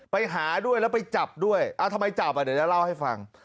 ไปหาด้วยแล้วไปจับด้วยทำไมจับอ่ะเดี๋ยวจะเล่าให้ฟัง